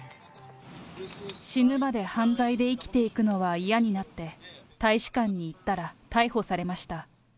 死ぬまで犯罪で生きていくのは嫌になって、大使館に行ったら、逮捕されました。